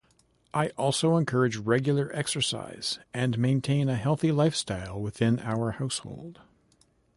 I also encourage regular exercise and maintain a healthy lifestyle within our household.